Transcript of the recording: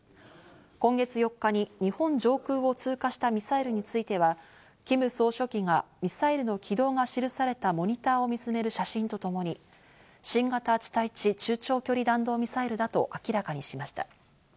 今月４日に日本上空を通過したミサイルについてはキム総書記がミサイルの軌道が記されたモニターを見つめる写真とともに新型地対地中長距離弾道ミサイルだと明らかにしました。